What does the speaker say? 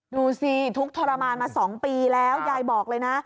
ดูสิทุกข์ทรมานมา๒ปีแล้วยายบอกเลยนะ